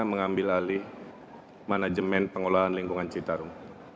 mengambil alih manajemen pengelolaan lingkungan citarum